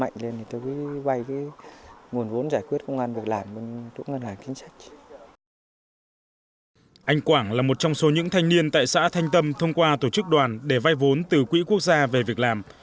anh quảng là một trong số những thanh niên tại xã thanh tâm thông qua tổ chức đoàn để vay vốn từ quỹ quốc gia về việc làm